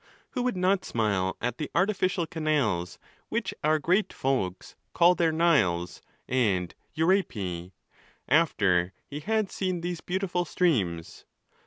Who would not smile at the artificial canals which our great folks call their Niles and Euripi, after he had seen these beautiful streams?